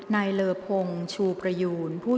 เลอพงชูประยูน